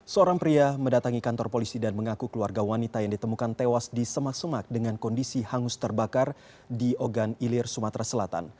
seorang pria mendatangi kantor polisi dan mengaku keluarga wanita yang ditemukan tewas di semak semak dengan kondisi hangus terbakar di ogan ilir sumatera selatan